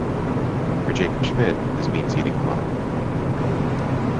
For Jacob Schmidt, this means eating a lot.